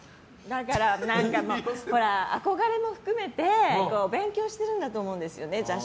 だから、憧れも含めて勉強してるんだと思うんですよね